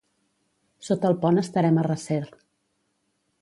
Sota el pont estarem a recer